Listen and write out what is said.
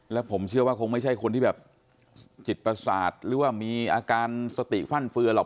แล้วผมเชื่อว่าคงไม่ใช่คนที่แบบจิตประสาทหรือว่ามีอาการสติฟั่นเฟือหรอก